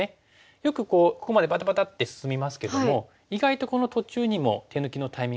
よくこうここまでバタバタって進みますけども意外とこの途中にも手抜きのタイミングはあるんです。